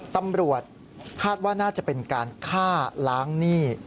ตำรวจคาดว่าน่าจะเป็นการฆ่าล้างหนี้